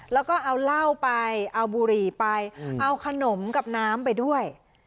แล้วก็เอาเหล้าไปเอาบุหรี่ไปเอาขนมกับน้ำไปด้วย